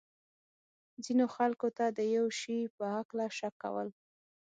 ځینو خلکو ته د یو شي په هکله شک کول.